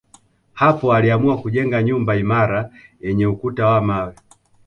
Hapo aliamua kujenga nyumba imara yenye ukuta wa mawe